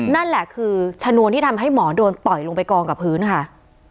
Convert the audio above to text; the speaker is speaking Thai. นั่นแหละคือชนวนที่ทำให้หมอโดนต่อยลงไปกองกับพื้นค่ะ